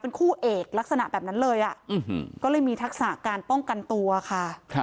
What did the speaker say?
คู่เอกลักษณะแบบนั้นเลยก็เลยมีทักษะการป้องกันตัวค่ะ